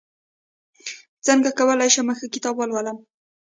څنګه کولی شم ښه کتاب ولولم